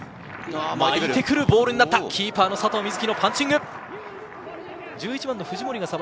巻いてくるボールになったキーパーの佐藤瑞起のパンチング。